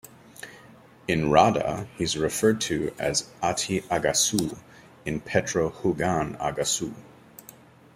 In Rada, he's referred to as Ati-Agassou, in Petro Hougan Agassou.